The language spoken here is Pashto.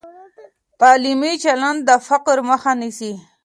تعلیمي چلند د فقر مخه نیسي.